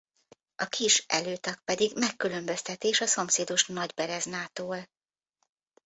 A kis előtag pedig megkülönböztetés a szomszédos Nagybereznától.